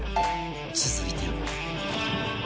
続いては